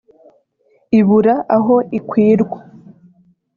ibura aho ikwirwa